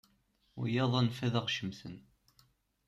Wiyaḍ anef ad aɣ-cemten.